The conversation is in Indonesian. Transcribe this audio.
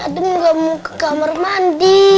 adam tidak mau ke kamar mandi